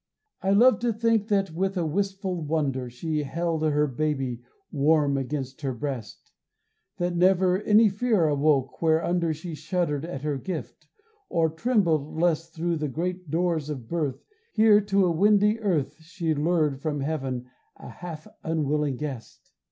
I love to think that with a wistful wonder She held her baby warm against her breast; That never any fear awoke whereunder She shuddered at her gift, or trembled lest Thru the great doors of birth Here to a windy earth She lured from heaven a half unwilling guest.